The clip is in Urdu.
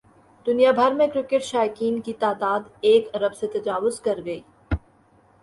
دنیا بھر میں کرکٹ شائقین کی تعداد ایک ارب سے تجاوز کر گئی